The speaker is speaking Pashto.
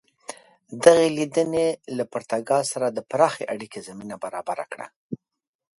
دغې لیدنې له پرتګال سره د پراخې اړیکې زمینه برابره کړه.